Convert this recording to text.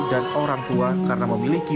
dan orang tua karena memiliki